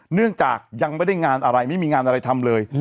เนื่องจากยังไม่ได้งานอะไรไม่มีงานอะไรทำเลย